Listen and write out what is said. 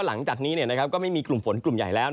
หลังจากนี้ก็ไม่มีกลุ่มฝนกลุ่มใหญ่แล้ว